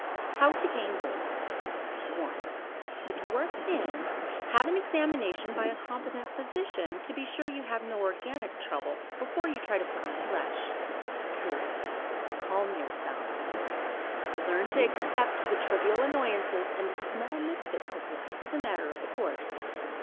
HOW TO GAIN WEIGHT 1. If you are thin, have an examination by a competent physician to be sure you have no organic trouble, before you try to put on flesh. 2. Calm yourself. "Learn to accept the trivial annoyances and the small misfits of life as a matter of course.